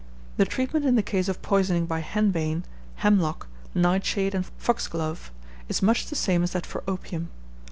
The treatment in the case of poisoning by Henbane, Hemlock, Nightshade, and Foxglove, is much the same as that for opium.